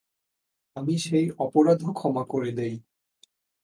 আমি সেই অপরাধও ক্ষমা করে দেই।